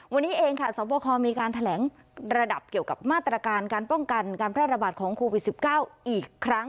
วันนี้เองค่ะสวบคอมีการแถลงระดับเกี่ยวกับมาตรการการป้องกันการแพร่ระบาดของโควิด๑๙อีกครั้ง